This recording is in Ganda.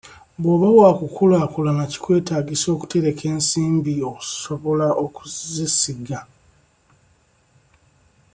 Bw'oba wakukulaakulana kikwetaagisa okutereka ensimbi osobola okuzisiga.